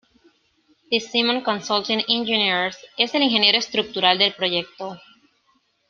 DeSimone Consulting Engineers es el ingeniero estructural del proyecto.